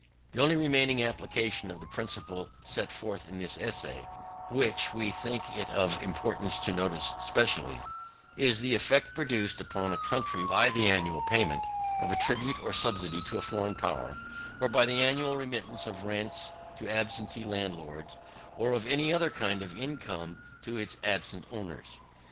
10. The only remaining application of the principle set forth in this essay, which we think it of importance to notice specially, is the effect produced upon a country by the annual payment of a tribute or subsidy to a foreign power, or by the annual remittance of rents to absentee landlords, or of any other kind of income to its absent owners.